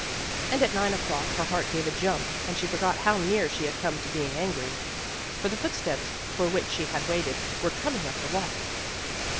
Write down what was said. And at nine o 'clock her heart gave a jump and she forgot how near she had come to being angry. For the footsteps for which she had waited were coming up the walk.